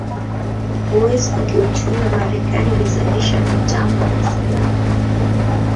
Uwezo wa kiuchumi wa Marekani ulizalisha mitambo na silaha